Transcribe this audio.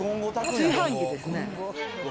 炊飯器ですね。